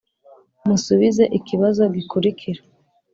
Musubize ikibazo gikurikira: